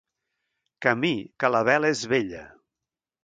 Camí, que la vela és vella.